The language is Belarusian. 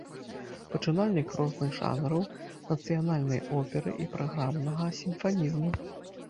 Пачынальнік розных жанраў нацыянальнай оперы і праграмнага сімфанізму.